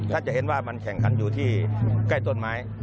ถ้าจะเห็นว่ามันแข่งขันอยู่ที่ใกล้ต้นไม้